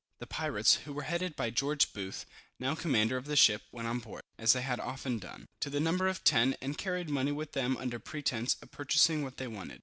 The pirates, who were headed by George Booth, now commander of the ship, went on board, (as they had often done,) to the number of ten, and carried money with them under pretence of purchasing what they wanted.